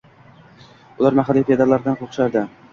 Ular mahalliy feodallardan qo'rqishadi